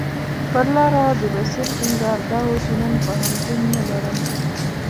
پر لاره د بصیر ټینګار دا و چې نن پوهنتون نه لرم.